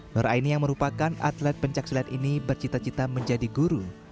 nur aini yang merupakan atlet pencaksilat ini bercita cita menjadi guru